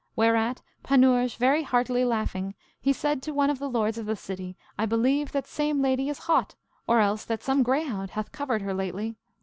Whereat Panurge very heartily laughing, he said to one of the lords of the city, I believe that same lady is hot, or else that some greyhound hath covered her lately.